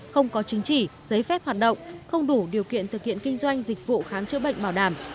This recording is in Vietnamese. không có chứng chỉ giấy phép hoạt động không đủ điều kiện thực hiện kinh doanh dịch vụ khám chữa bệnh bảo đảm